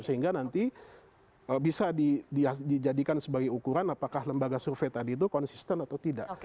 sehingga nanti bisa dijadikan sebagai ukuran apakah lembaga survei tadi itu konsisten atau tidak